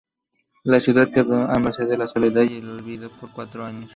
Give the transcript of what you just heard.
La ciudad quedó a merced de la soledad y el olvido por cuatro años.